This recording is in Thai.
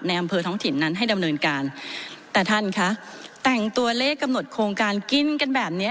อำเภอท้องถิ่นนั้นให้ดำเนินการแต่ท่านคะแต่งตัวเลขกำหนดโครงการกินกันแบบเนี้ย